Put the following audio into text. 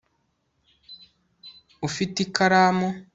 ufite ikaramu